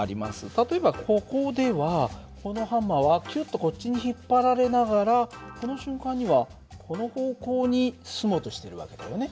例えばここではこのハンマーはキュッとこっちに引っ張られながらこの瞬間にはこの方向に進もうとしてる訳だよね。